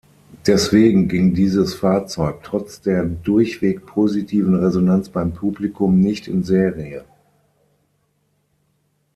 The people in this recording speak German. Deswegen ging dieses Fahrzeug trotz der durchweg positiven Resonanz beim Publikum nicht in Serie.